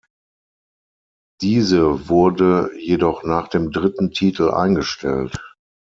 Diese wurde jedoch nach dem dritten Titel eingestellt.